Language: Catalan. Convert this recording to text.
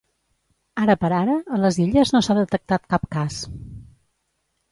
Ara per ara, a les Illes no s’ha detectat cap cas.